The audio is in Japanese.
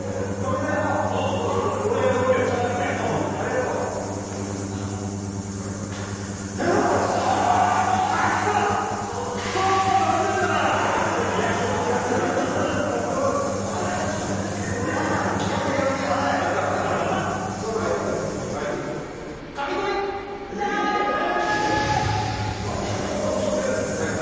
長嶋：もう出るぜ。